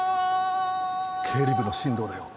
経理部の進藤だよ。